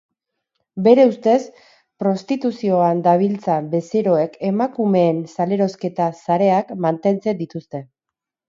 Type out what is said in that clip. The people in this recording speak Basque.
Bere ustez prostituzioan dabiltzan bezeroek emakumeen salerosketa sareak mantentzen dituzte.